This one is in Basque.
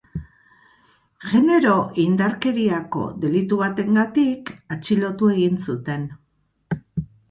Genero-indarkeriako delitu batengatik, atxilotu egin zuten.